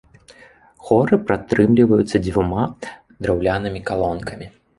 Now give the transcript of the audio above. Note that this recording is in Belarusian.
Хоры падтрымліваюцца дзвюма драўлянымі калонкамі.